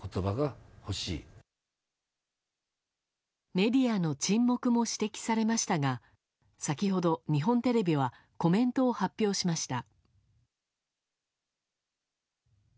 メディアの沈黙も指摘されましたが先ほど日本テレビはコメントを発表しました。